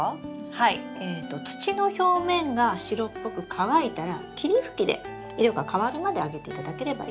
えと土の表面が白っぽく乾いたら霧吹きで色が変わるまであげていただければいいです。